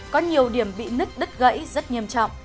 có nhiều điểm bị nứt đứt gãy rất nghiêm trọng